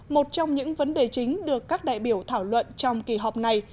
một trong những vấn đề chính được các đại biểu thảo luận trong kỳ họp này